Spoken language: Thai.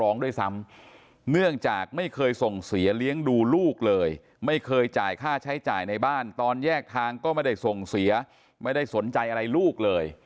ด้วยซ้ำเนื่องจากไม่เคยส่งเสียเลี้ยงดูลูกเลยไม่เคยจ่ายค่าใช้จ่ายในบ้านตอนแยกทางก็ไม่ได้ส่งเสียไม่ได้สนใจอะไรลูกเลย